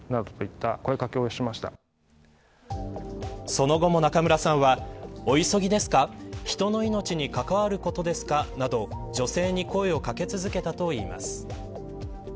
その後も中村さんはお急ぎですか人の命に関わることですかなどと、女性に声を掛け続けたといいます。